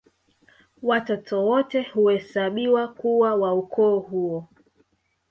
Watoto wote huhesabiwa kuwa wa ukoo huo